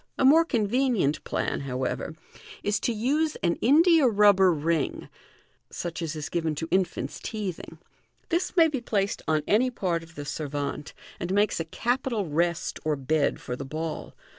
A more convenient plan, however, is to use an india rubber ring (such as is given to infanta teething). This may be placed on any part of the servante, and makes a capital rest or bed for the ball.